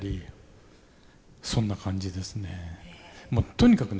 とにかくね